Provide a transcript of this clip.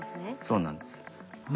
そうなんです。